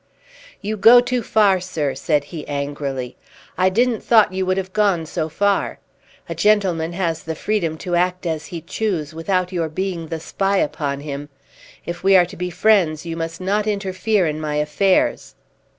"You go too far, sir," said he, angrily; "I didn't thought you would have gone so far. A gentleman has the freedom to act as he choose without your being the spy upon him. If we are to be friends, you must not interfere in my affairs."